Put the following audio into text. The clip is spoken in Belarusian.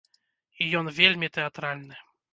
І ён вельмі тэатральны.